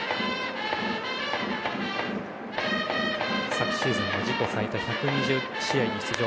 昨シーズン自己最多１２０試合に出場。